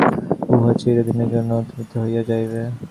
উহা চিরদিনের জন্য অন্তর্হিত হইয়া যাইবে।